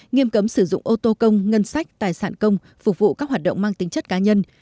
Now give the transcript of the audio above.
nghiêm cấm sử dụng ô tô công ngân sách tài sản công phục vụ các hoạt động mang tính chất cá nhân